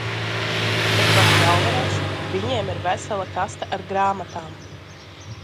Bet pats galvenais, viņiem ir vesela kaste ar grāmatām.